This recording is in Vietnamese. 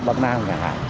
bắc nam nhà hải